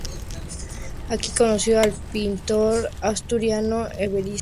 Aquí conoció al pintor asturiano Evaristo Valle, que era miembro del jurado.